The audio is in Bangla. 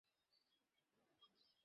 হ্যাঁ, ভেবেছিলাম যা।